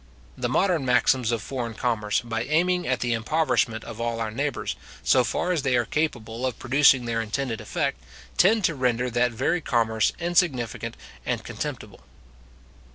The modern maxims of foreign commerce, by aiming at the impoverishment of all our neighbours, so far as they are capable of producing their intended effect, tend to render that very commerce insignificant and contemptible.